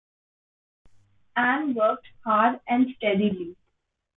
Anne worked hard and steadily.